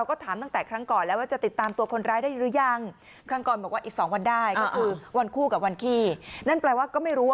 ก็เขาบอกแบบนั้นนะคะ